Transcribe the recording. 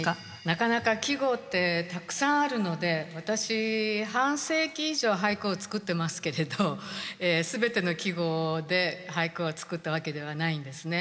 なかなか季語ってたくさんあるので私半世紀以上俳句を作ってますけれど全ての季語で俳句を作ったわけではないんですね。